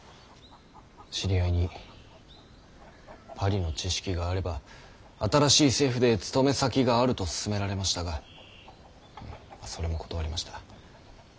知り合いにパリの知識があれば新しい政府で勤め先があると勧められましたがそれも断りました。